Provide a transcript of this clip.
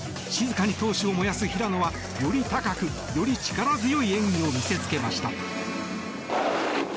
静かに闘志を燃やす平野はより高く、より力強い演技を見せつけました。